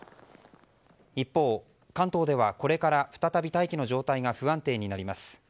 一方、関東ではこれから再び大気の状態が不安定になります。